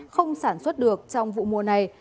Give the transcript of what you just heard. không sản xuất được trong vụ mùa này